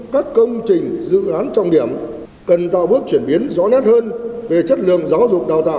các công trình dự án trọng điểm cần tạo bước chuyển biến rõ nét hơn về chất lượng giáo dục đào tạo